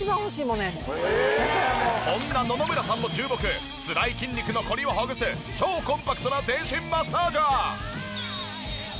そんな野々村さんの注目つらい筋肉のコリをほぐす超コンパクトな全身マッサージャー。